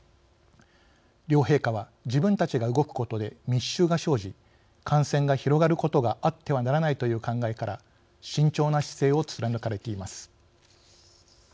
両陛下は自分たちが動くことで密集が生じ感染が広がることがあってはならないという考えから慎重な姿勢を貫かれています。